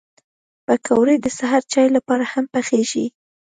پکورې د سهر چای لپاره هم پخېږي